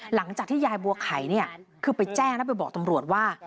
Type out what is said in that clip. หลังจากที่ยายบัวไข่เนี่ยคือไปแจ้งแล้วไปบอกตำรวจว่า